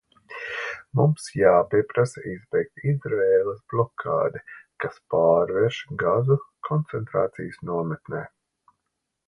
Mums jāpieprasa izbeigt Izraēlas blokādi, kas pārvērš Gazu koncentrācijas nometnē.